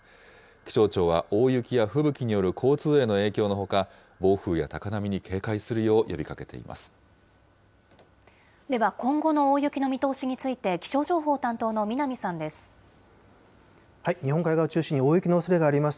気象庁は大雪や吹雪による交通への影響のほか、暴風や高波に警戒するよう呼びかけています。